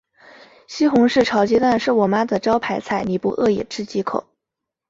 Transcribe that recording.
西红柿炒鸡蛋是我妈的招牌菜，你不饿也吃几口。